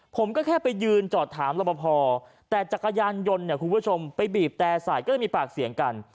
ผมก็แค่ไปยืนจอดถามรอบพอแต่จักรยานยนต์เนี่ยคุณผู้ชมไปบีบแต่ใส่ก็เลยมีปากเสียงกัน